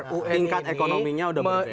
tingkat ekonominya sudah berbeda